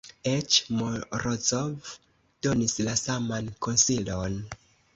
Eĉ Morozov donis la saman konsilon.